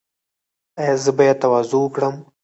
ایا زه باید تواضع وکړم؟